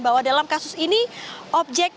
bahwa dalam kasus ini objek